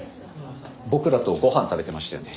僕らとご飯食べてましたよね。